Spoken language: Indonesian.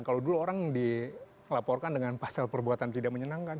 kalau dulu orang dilaporkan dengan pasal perbuatan tidak menyenangkan